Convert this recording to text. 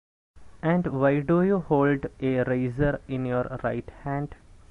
And why do you hold a razor in your right hand?